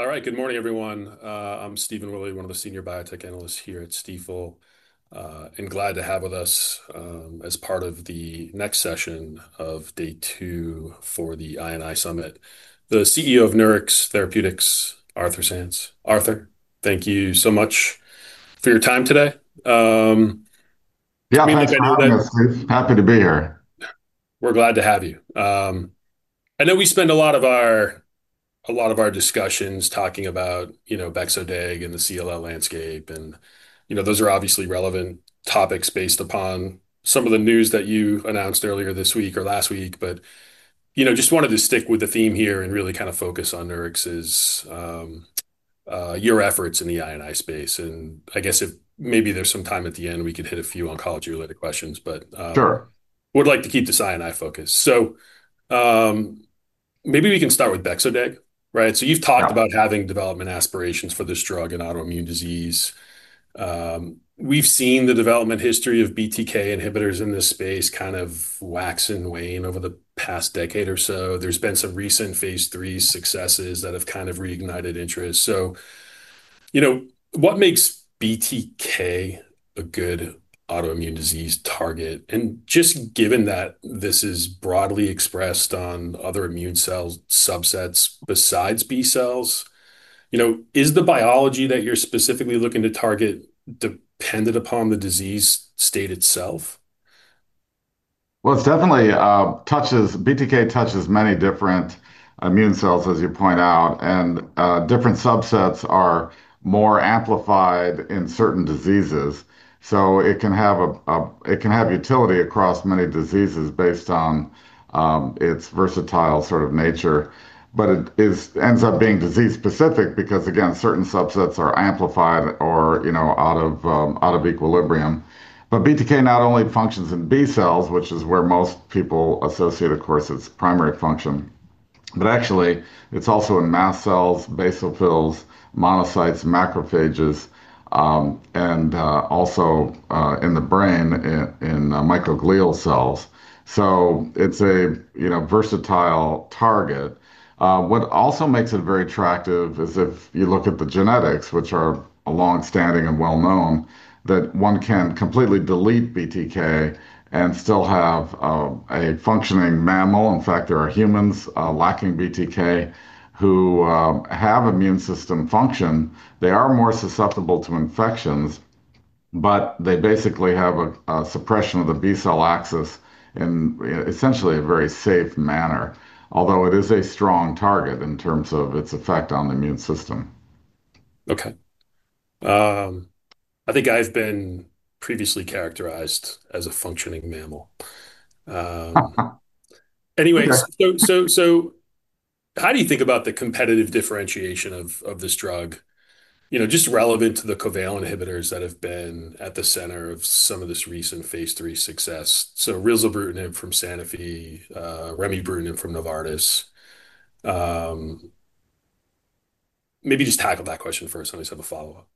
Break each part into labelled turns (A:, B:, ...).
A: All right, good morning everyone. I'm Stephen Willey, one of the Senior Biotech Analysts here at Stifel, and glad to have with us, as part of the next session of day two for the I&I Summit, the CEO of Nurix Therapeutics, Arthur Sands. Arthur, thank you so much for your time today.
B: Yeah, I'm happy to be here.
A: We're glad to have you. I know we spend a lot of our discussions talking about, you know, bexodeg and the CLL landscape, and those are obviously relevant topics based upon some of the news that you announced earlier this week or last week. Just wanted to stick with the theme here and really kind of focus on Nurix's, your efforts in the I&I space. I guess if maybe there's some time at the end, we could hit a few oncology-related questions, but sure, would like to keep this I&I focused. Maybe we can start with bexodeg, right? You've talked about having development aspirations for this drug in autoimmune disease. We've seen the development history of BTK inhibitors in this space kind of wax and wane over the past decade or so. There's been some recent phase III successes that have kind of reignited interest. What makes BTK a good autoimmune disease target? Just given that this is broadly expressed on other immune cell subsets besides B cells, is the biology that you're specifically looking to target dependent upon the disease state itself?
B: BTK touches many different immune cells, as you point out, and different subsets are more amplified in certain diseases. It can have utility across many diseases based on its versatile sort of nature. It ends up being disease specific because, again, certain subsets are amplified or, you know, out of equilibrium. BTK not only functions in B cells, which is where most people associate, of course, its primary function, but actually it's also in mast cells, basophils, monocytes, macrophages, and also in the brain, in microglial cells. It's a versatile target. What also makes it very attractive is if you look at the genetics, which are longstanding and well known, that one can completely delete BTK and still have a functioning mammal. In fact, there are humans lacking BTK who have immune system function. They are more susceptible to infections, but they basically have a suppression of the B-cell axis in essentially a very safe manner. Although it is a strong target in terms of its effect on the immune system.
A: Okay. I think I've been previously characterized as a functioning mammal. Anyway, how do you think about the competitive differentiation of this drug, just relevant to the covalent inhibitors that have been at the center of some of this recent phase III success? Rilzabrutinib from Sanofi, remibrutinib from Novartis. Maybe just tackle that question first. I just have a follow-up.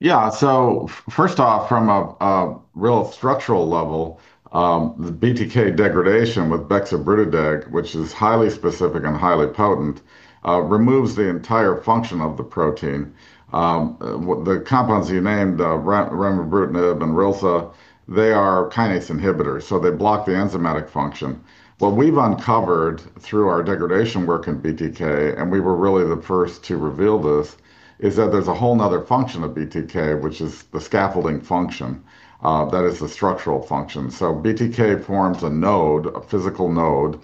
B: Yeah, so first off, from a real structural level, the BTK degradation with bexobrutideg, which is highly specific and highly potent, removes the entire function of the protein. The compounds you named, remibrutinib and rilza, they are kinase inhibitors, so they block the enzymatic function. What we've uncovered through our degradation work in BTK, and we were really the first to reveal this, is that there's a whole other function of BTK, which is the scaffolding function. That is the structural function. BTK forms a node, a physical node,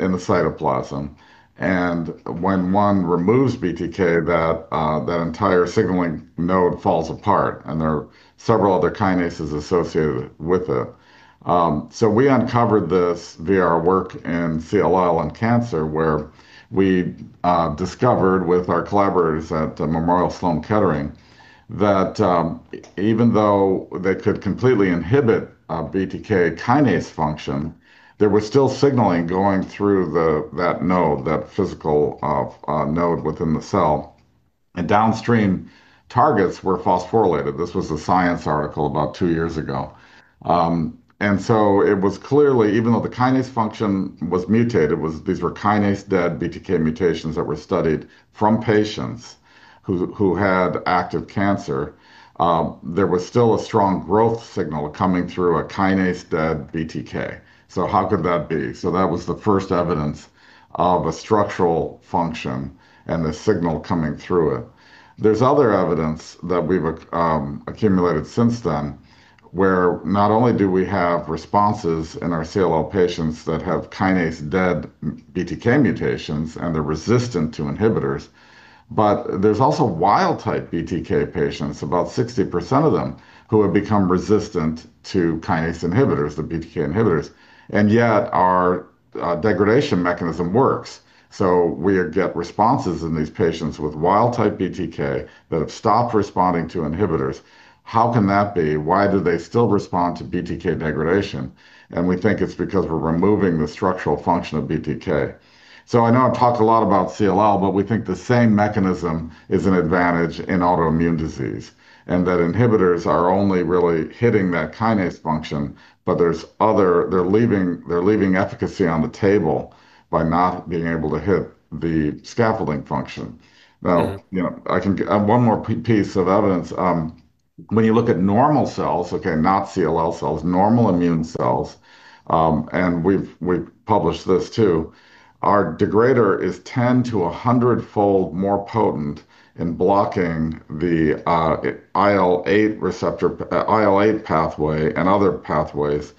B: in the cytoplasm. When one removes BTK, that entire signaling node falls apart, and there are several other kinases associated with it. We uncovered this via our work in CLL and cancer, where we discovered with our collaborators at Memorial Sloan Kettering that even though they could completely inhibit a BTK kinase function, there was still signaling going through that node, that physical node within the cell. Downstream targets were phosphorylated. This was a Science article about two years ago. It was clearly, even though the kinase function was mutated, these were kinase-dead BTK mutations that were studied from patients who had active cancer, there was still a strong growth signal coming through a kinase-dead BTK. How could that be? That was the first evidence of a structural function and the signal coming through it. There's other evidence that we've accumulated since then, where not only do we have responses in our CLL patients that have kinase-dead BTK mutations and they're resistant to inhibitors, but there's also wild-type BTK patients, about 60% of them, who have become resistant to kinase inhibitors, the BTK inhibitors. Yet our degradation mechanism works. We get responses in these patients with wild-type BTK that have stopped responding to inhibitors. How can that be? Why do they still respond to BTK degradation? We think it's because we're removing the structural function of BTK. I know I've talked a lot about CLL, but we think the same mechanism is an advantage in autoimmune disease. Inhibitors are only really hitting that kinase function, but they're leaving efficacy on the table by not being able to hit the scaffolding function. I can add one more piece of evidence. When you look at normal cells, not CLL cells, normal immune cells, and we've published this too, our degrader is 10 to 100-fold more potent in blocking the IL-8 pathway and other pathways,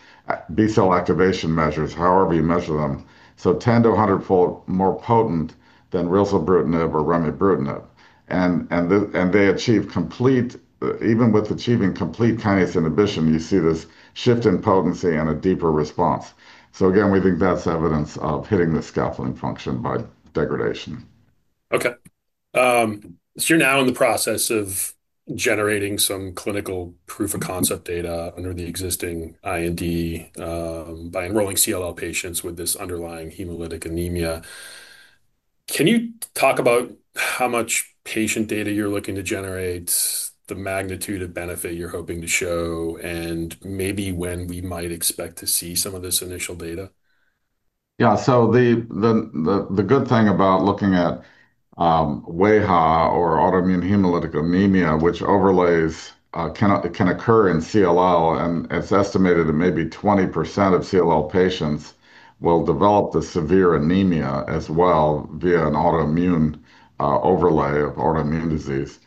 B: B cell activation measures, however you measure them. So 10 to 100-fold more potent than rilzabrutinib or remibrutinib. Even with achieving complete kinase inhibition, you see this shift in potency and a deeper response. Again, we think that's evidence of hitting the scaffolding function by degradation.
A: Okay. You're now in the process of generating some clinical proof-of-concept data under the existing IND by enrolling CLL patients with this underlying autoimmune hemolytic anemia. Can you talk about how much patient data you're looking to generate, the magnitude of benefit you're hoping to show, and maybe when we might expect to see some of this initial data?
B: Yeah, the good thing about looking at wAIHA or autoimmune hemolytic anemia, which overlays, can occur in CLL, and it's estimated that maybe 20% of CLL patients will develop the severe anemia as well via an autoimmune overlay of autoimmune disease.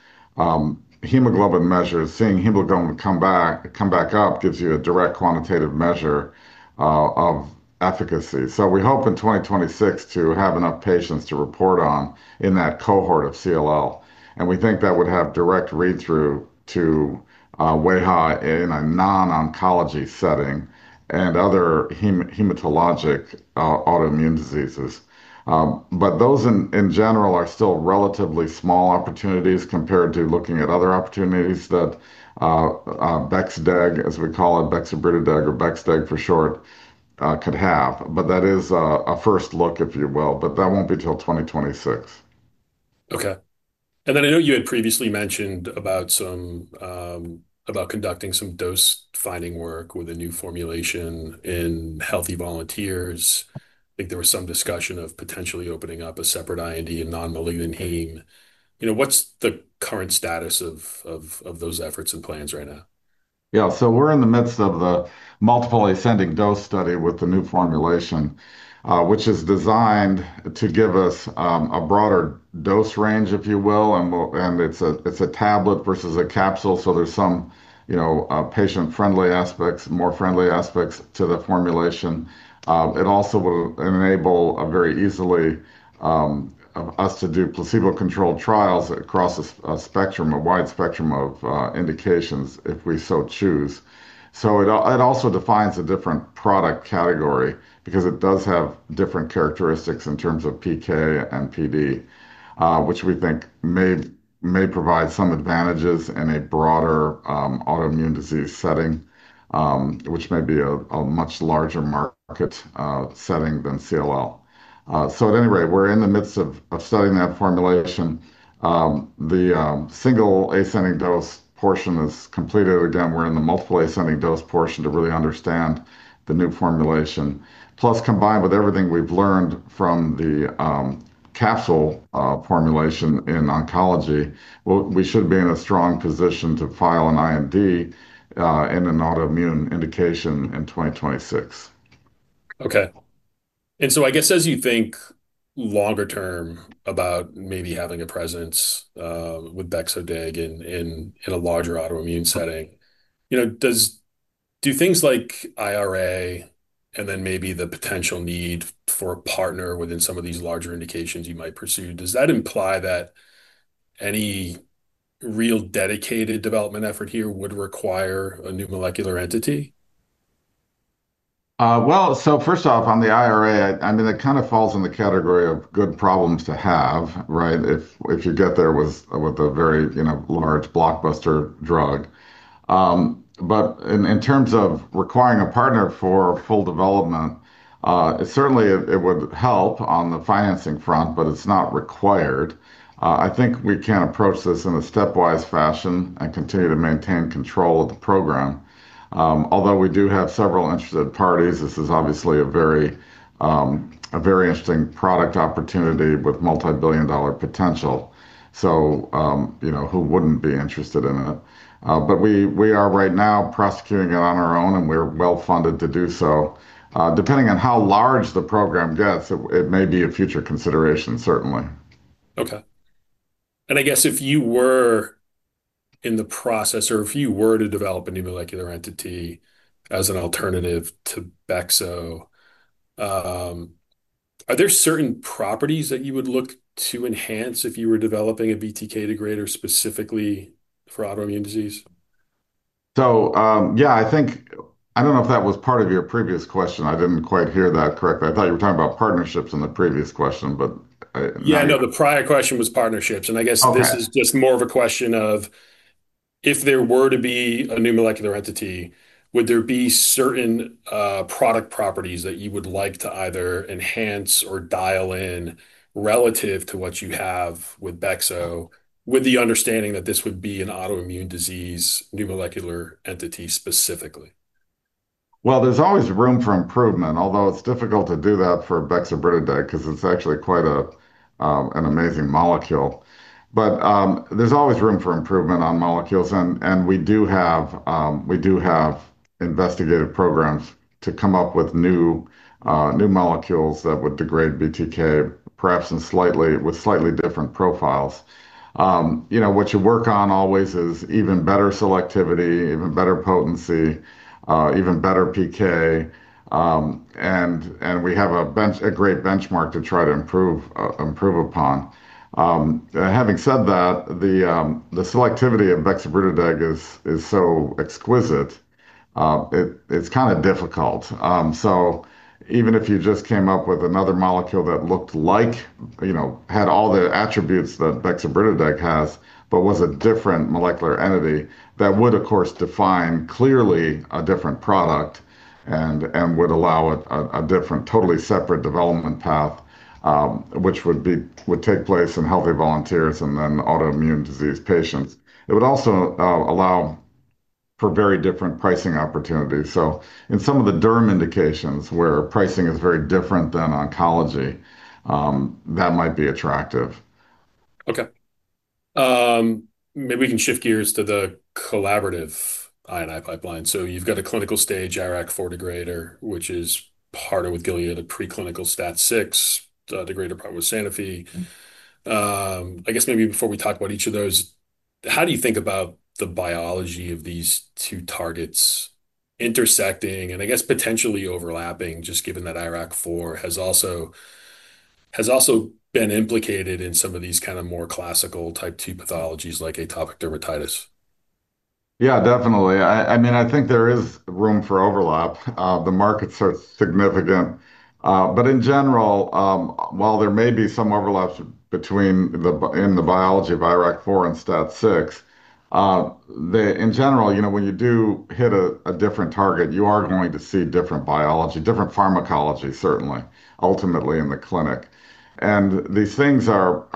B: Hemoglobin measures, seeing hemoglobin come back up, gives you a direct quantitative measure of efficacy. We hope in 2026 to have enough patients to report on in that cohort of CLL. We think that would have direct read-through to wAIHA in a non-oncology setting and other hematologic autoimmune diseases. Those in general are still relatively small opportunities compared to looking at other opportunities that bexdeg, as we call it, bexobrutideg or bexdeg for short, could have. That is a first look, if you will, but that won't be till 2026.
A: Okay. I know you had previously mentioned about conducting some dose-finding work with a new formulation in healthy volunteers. I think there was some discussion of potentially opening up a separate IND in non-malignant hanging. You know, what's the current status of those efforts and plans right now?
B: Yeah, so we're in the midst of the multiple ascending dose study with the new formulation, which is designed to give us a broader dose range, if you will. It's a tablet versus a capsule, so there are some patient-friendly aspects, more friendly aspects to the formulation. It also would enable very easily us to do placebo-controlled trials across a wide spectrum of indications if we so choose. It also defines a different product category because it does have different characteristics in terms of PK and PD, which we think may provide some advantages in a broader autoimmune disease setting, which may be a much larger market setting than CLL. At any rate, we're in the midst of studying that formulation. The single-ascending dose portion is completed. Again, we're in the multiple-ascending dose portion to really understand the new formulation. Plus, combined with everything we've learned from the capsule formulation in oncology, we should be in a strong position to file an IND in an autoimmune indication in 2026.
A: Okay. As you think longer term about maybe having a presence with Bexabritadeg in a larger autoimmune setting, do things like IRA and then maybe the potential need for a partner within some of these larger indications you might pursue, does that imply that any real dedicated development effort here would require a new molecular entity?
B: First off, on the IRA, it kind of falls in the category of good problems to have, right? If you get there with a very, you know, large blockbuster drug. In terms of requiring a partner for full development, it certainly would help on the financing front, but it's not required. I think we can approach this in a stepwise fashion and continue to maintain control of the program. Although we do have several interested parties, this is obviously a very interesting product opportunity with multi-billion dollar potential. Who wouldn't be interested in it? We are right now prosecuting it on our own, and we're well funded to do so. Depending on how large the program gets, it may be a future consideration, certainly.
A: Okay. If you were in the process, or if you were to develop a new molecular entity as an alternative to bexo, are there certain properties that you would look to enhance if you were developing a BTK degrader specifically for autoimmune disease?
B: I think, I don't know if that was part of your previous question. I didn't quite hear that correctly. I thought you were talking about partnerships in the previous question.
A: Yeah, no, the prior question was partnerships, and I guess this is just more of a question of if there were to be a new molecular entity, would there be certain product properties that you would like to either enhance or dial in relative to what you have with bexo, with the understanding that this would be an autoimmune disease new molecular entity specifically?
B: There's always room for improvement, although it's difficult to do that for bexobrutideg because it's actually quite an amazing molecule. There's always room for improvement on molecules, and we do have investigative programs to come up with new molecules that would degrade BTK, perhaps with slightly different profiles. What you work on always is even better selectivity, even better potency, even better PK, and we have a great benchmark to try to improve upon. Having said that, the selectivity of bexobrutideg is so exquisite, it's kind of difficult. Even if you just came up with another molecule that looked like, you know, had all the attributes that bexobrutideg has, but was a different molecular entity, that would, of course, define clearly a different product and would allow it a different, totally separate development path, which would take place in healthy volunteers and then autoimmune disease patients. It would also allow for very different pricing opportunities. In some of the derm indications where pricing is very different than oncology, that might be attractive.
A: Okay. Maybe we can shift gears to the collaborative I&I pipeline. You've got a clinical stage IRAK4 degrader, which is part of what Gilead, a preclinical STAT6 degrader part with Sanofi. I guess maybe before we talk about each of those, how do you think about the biology of these two targets intersecting and potentially overlapping, just given that IRAK4 has also been implicated in some of these more classical type II pathologies like atopic dermatitis?
B: Yeah, definitely. I mean, I think there is room for overlap. The markets are significant. In general, while there may be some overlaps in the biology of IRAK4 and STAT6, when you do hit a different target, you are going to see different biology, different pharmacology, certainly, ultimately in the clinic. These things are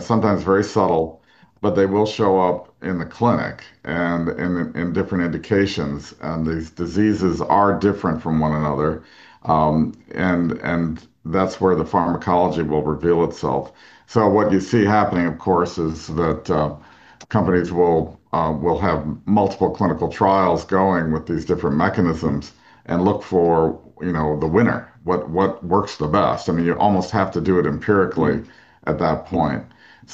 B: sometimes very subtle, but they will show up in the clinic and in different indications. These diseases are different from one another, and that's where the pharmacology will reveal itself. What you see happening, of course, is that companies will have multiple clinical trials going with these different mechanisms and look for the winner, what works the best. You almost have to do it empirically at that point.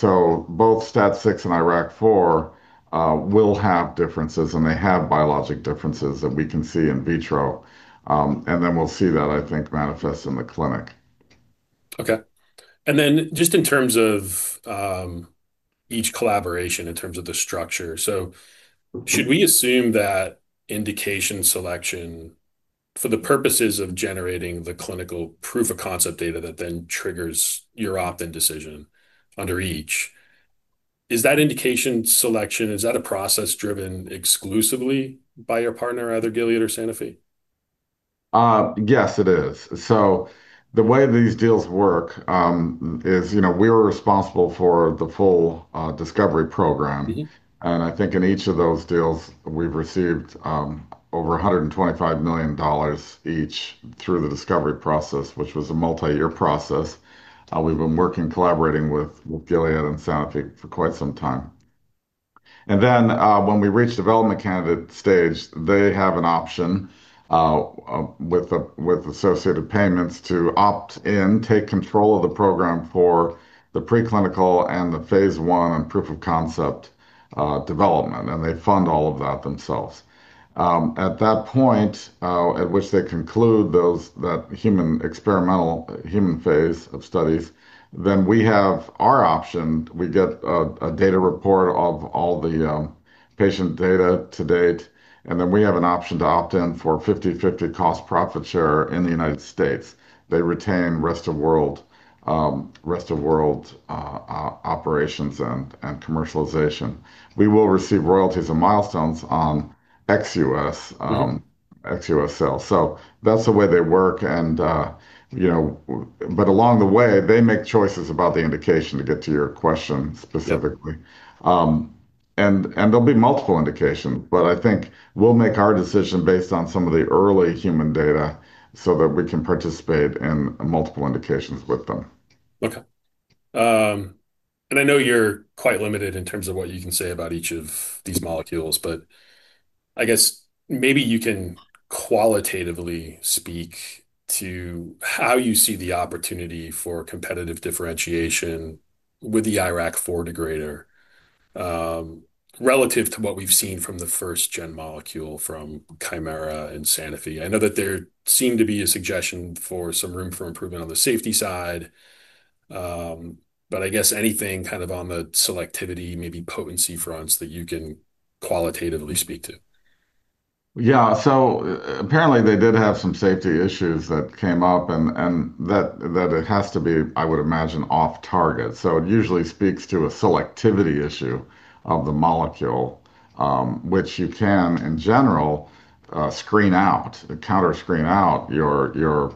B: Both STAT6 and IRAK4 will have differences, and they have biologic differences that we can see in vitro. Then we'll see that, I think, manifest in the clinic.
A: Okay. In terms of each collaboration in terms of the structure, should we assume that indication selection for the purposes of generating the clinical proof-of-concept data that then triggers your opt-in decision under each, is that indication selection a process driven exclusively by your partner, either Gilead or Sanofi?
B: Yes, it is. The way these deals work is, you know, we were responsible for the full discovery program. I think in each of those deals, we've received over $125 million each through the discovery process, which was a multi-year process. We've been working, collaborating with Gilead and Sanofi. for quite some time. When we reach development-candidate stage, they have an option, with the associated payments, to opt in, take control of the program for the preclinical and the phase I and proof-of-concept development. They fund all of that themselves. At that point, at which they conclude that human experimental phase of studies, then we have our option. We get a data report of all the patient data to date. Then we have an option to opt in for 50/50 cost-profit share in the United States. They retain rest of world operations and commercialization. We will receive royalties and milestones on ex-U.S. sales. That's the way they work. Along the way, they make choices about the indication to get to your question specifically. There will be multiple indications, but I think we'll make our decision based on some of the early human data so that we can participate in multiple indications with them.
A: Okay. I know you're quite limited in terms of what you can say about each of these molecules, but I guess maybe you can qualitatively speak to how you see the opportunity for competitive differentiation with the IRAK4 degrader, relative to what we've seen from the first-gen molecule from Kymera and Sanofi. I know that there seemed to be a suggestion for some room for improvement on the safety side. I guess anything kind of on the selectivity, maybe potency fronts that you can qualitatively speak to.
B: Yeah, so apparently they did have some safety issues that came up and that it has to be, I would imagine, off-target. It usually speaks to a selectivity issue of the molecule, which you can in general screen out, counter-screen out your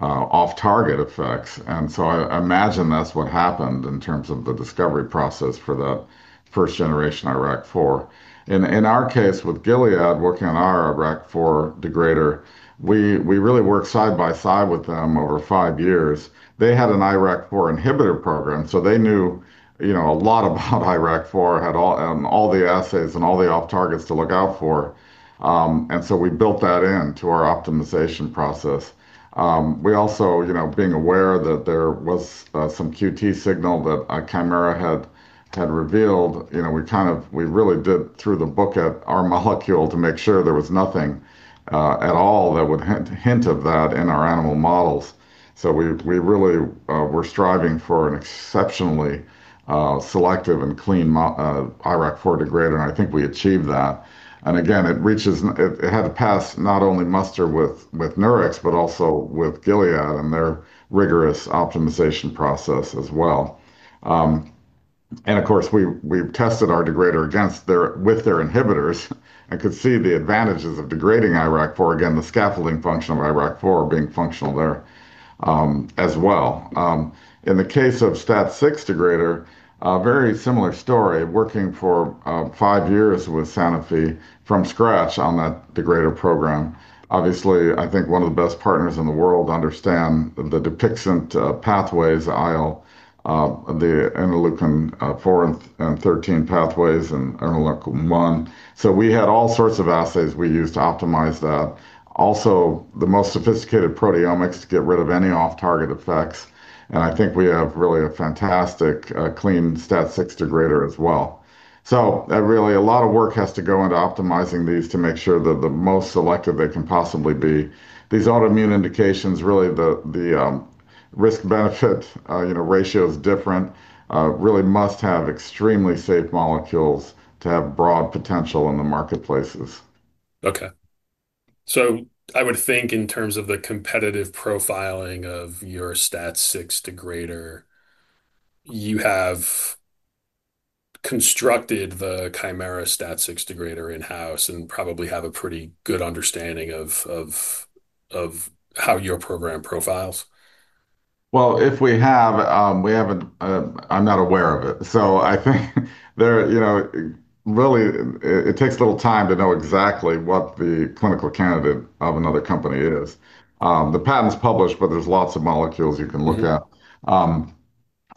B: off-target effects. I imagine that's what happened in terms of the discovery process for that first-generation IRAK4. In our case with Gilead, working on our IRAK4 degrader, we really worked side by side with them over five years. They had an IRAK4-inhibitor program, so they knew a lot about IRAK4, had all the assays and all the off-targets to look out for, and we built that into our optimization process. We also, being aware that there was some QT signal that Kymera had revealed, we really did throw the book at our molecule to make sure there was nothing at all that would hint at that in our animal models. We really were striving for an exceptionally selective and clean IRAK4 degrader, and I think we achieved that. It had to pass not only muster with Nurix, but also with Gilead and their rigorous optimization process as well. Of course, we tested our degrader with their inhibitors and could see the advantages of degrading IRAK4, the scaffolding function of IRAK4 being functional there as well. In the case of STAT6 degrader, a very similar story, working for five years with Sanofi from scratch on that degrader program. Obviously, I think one of the best partners in the world understands the Dupixent pathways, IL, the interleukin-4 and 13 pathways and interleukin-1. We had all sorts of assays we used to optimize that. Also, the most sophisticated proteomics to get rid of any off-target effects. I think we have really a fantastic, clean STAT6 degrader as well. A lot of work has to go into optimizing these to make sure that they're the most selective they can possibly be. These autoimmune indications, really, the risk-benefit ratio is different, really must have extremely safe molecules to have broad potential in the marketplaces.
A: Okay. I would think in terms of the competitive profiling of your STAT6 degrader, you have constructed the Kymera STAT6 degrader in-house and probably have a pretty good understanding of how your program profiles.
B: I think there, you know, really it takes a little time to know exactly what the clinical candidate of another company is. The patent's published, but there's lots of molecules you can look at.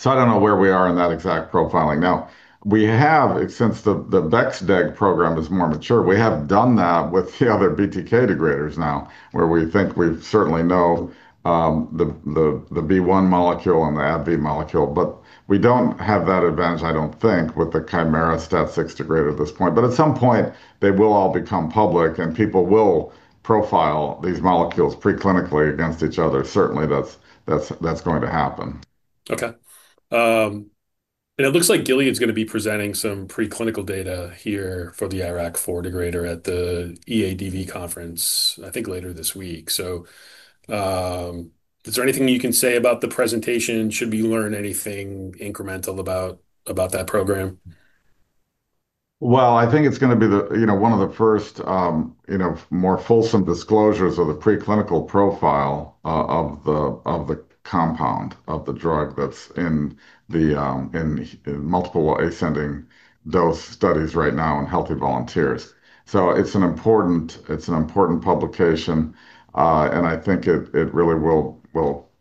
B: I don't know where we are in that exact profiling. Now, we have, since the bexdeg program is more mature, done that with the other BTK degraders now, where we think we certainly know the B1 molecule and the AB molecule, but we don't have that advantage, I don't think, with the Kymera STAT6 degrader at this point. At some point, they will all become public and people will profile these molecules preclinically against each other. Certainly, that's going to happen.
A: Okay. It looks like Gilead is going to be presenting some preclinical data here for the IRAK4 degrader at the EADV conference, I think later this week. Is there anything you can say about the presentation? Should we learn anything incremental about that program?
B: I think it's going to be one of the first more fulsome disclosures of the preclinical profile of the compound, of the drug that's in the multiple ascending dose studies right now in healthy volunteers. It's an important publication, and I think it really will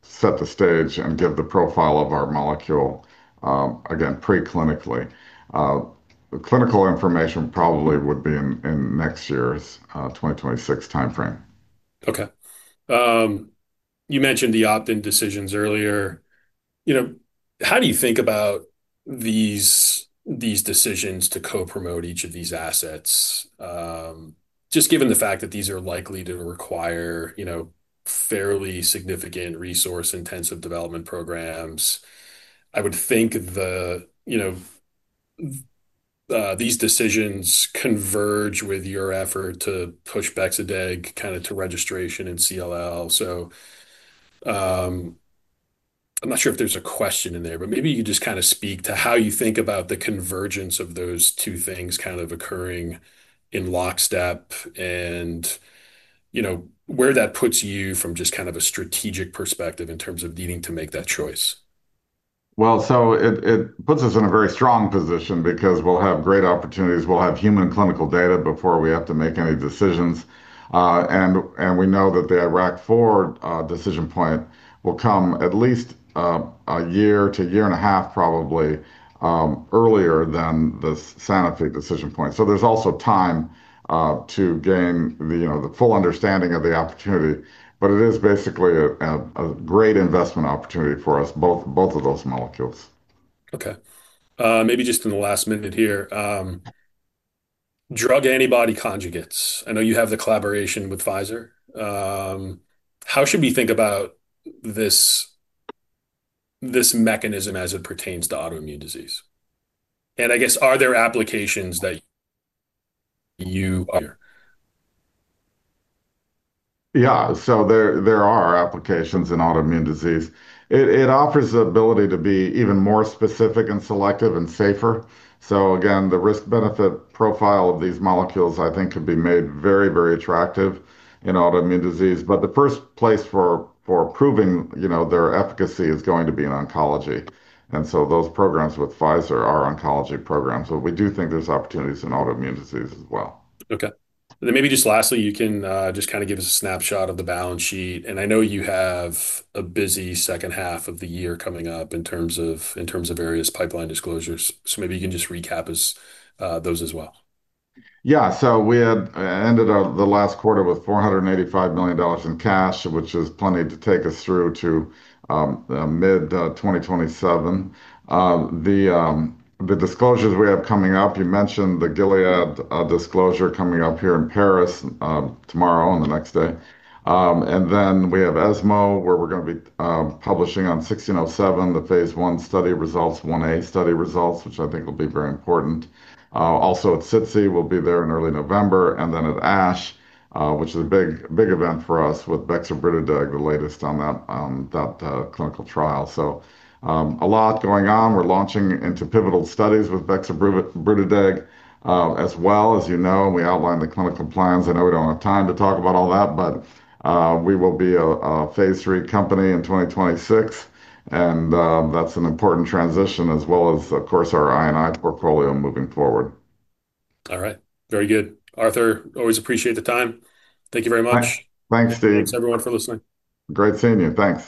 B: set the stage and give the profile of our molecule, again, preclinically. Clinical information probably would be in next year's 2026 timeframe.
A: Okay. You mentioned the opt-in decisions earlier. How do you think about these decisions to co-promote each of these assets, just given the fact that these are likely to require fairly significant resource-intensive development programs? I would think these decisions converge with your effort to push bexodeg kind of to registration in CLL. I'm not sure if there's a question in there, but maybe you could just kind of speak to how you think about the convergence of those two things occurring in lockstep and where that puts you from just kind of a strategic perspective in terms of needing to make that choice.
B: It puts us in a very strong position because we'll have great opportunities. We'll have human clinical data before we have to make any decisions, and we know that the IRAK4 decision point will come at least a year to a year and a half, probably earlier than the Sanofi decision point. There is also time to gain the full understanding of the opportunity. It is basically a great investment opportunity for us, both of those molecules.
A: Okay. Maybe just in the last minute here, drug-antibody conjugates. I know you have the collaboration with Pfizer. How should we think about this mechanism as it pertains to autoimmune disease? I guess, are there applications that you...
B: Yeah, there are applications in autoimmune disease. It offers the ability to be even more specific and selective and safer. The risk-benefit profile of these molecules, I think, could be made very, very attractive in autoimmune disease. The first place for proving their efficacy is going to be in oncology. Those programs with Pfizer are oncology programs. We do think there's opportunities in autoimmune disease as well.
A: Okay. Maybe just lastly, you can just kind of give us a snapshot of the balance sheet. I know you have a busy second half of the year coming up in terms of various pipeline disclosures. Maybe you can just recap those as well.
B: Yeah, so we had ended the last quarter with $485 million in cash, which is plenty to take us through to the mid-2027. The disclosures we have coming up, you mentioned the Gilead disclosure coming up here in Paris, tomorrow and the next day. Then we have ESMO, where we're going to be publishing on NX-1607, the phase I study results, I-A study results, which I think will be very important. Also at SITSI, we'll be there in early November, and then at ASH, which is a big, big event for us with bexobrutideg, the latest on that clinical trial. A lot going on. We're launching into pivotal studies with bexobrutideg, as well, as you know, we outlined the clinical plans. I know we don't have time to talk about all that, but we will be a phase III company in 2026. That's an important transition, as well as, of course, our I&I portfolio moving forward.
C: All right. Very good. Arthur, always appreciate the time. Thank you very much.
B: Thanks, Steve.
C: Thanks, everyone, for listening.
B: Great seeing you. Thanks.